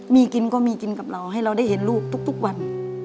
มีกินก็มีกินกับเราให้เราได้เห็นลูกทุกวัน